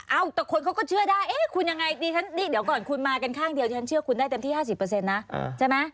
เอ้าแต่คนเขาก็เชื่อได้คุณยังไงนี่เดี๋ยวก่อนคุณมากันข้างเดียวฉันเชื่อคุณได้เต็มที่๕๐เปอร์เซ็นต์นะใช่ไหม